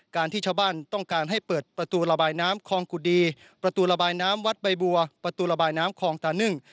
ที่ชาวบ้านต้องการให้เปิดประตูระบายน้ำคลองกุดีประตูระบายน้ำวัดใบบัวประตูระบายน้ำคลองตานึ่ง